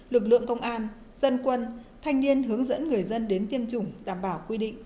lực lượng công an dân quân thanh niên hướng dẫn người dân đến tiêm chủng đảm bảo quy định